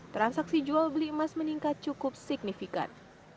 transaksi jual beli emas meningkat cukup signifikan